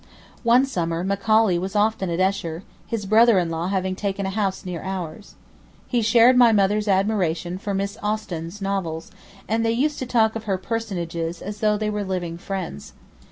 One summer Macaulay was often at Esher, his brother in law having taken a house near ours. He shared my mother's admiration for Miss Austen's novels, and they used to talk of her personages as though they were living friends.